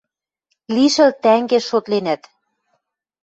Лишӹл тӓнгеш шотленӓт.